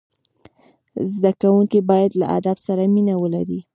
زدهکوونکي باید له ادب سره مینه ولري.